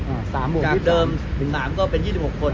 อ่าสามหกยี่สามจากเดิมสามก็เป็นยี่สิบหกคน